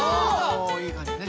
いい感じね。